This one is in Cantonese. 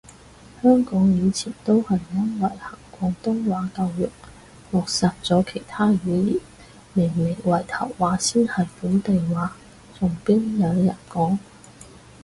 香港以前都係因為行廣東話教育扼殺咗其他語言，明明圍頭話先係本地話，仲邊有人講？